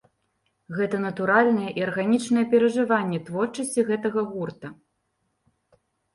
Гэта натуральнае і арганічнае перажыванне творчасці гэтага гурта.